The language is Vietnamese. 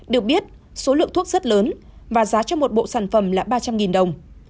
được biết số lượng thuốc rất lớn và giá cho một bộ sản phẩm là ba trăm linh đồng